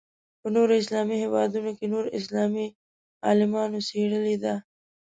په نورو اسلامي هېوادونو کې نور اسلامي عالمانو څېړلې ده.